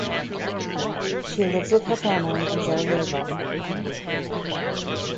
She lives with her family in Sarajevo.